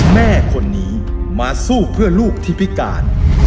แม่คนนี้มาสู้เพื่อลูกที่พิการ